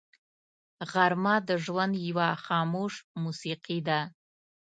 غرمه د ژوند یوه خاموش موسیقي ده